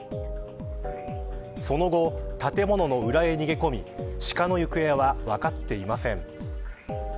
その後、建物の裏へ逃げ込みシカの行方は分かっていません。